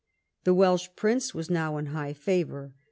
Tlie Welsh prince was now in high favour.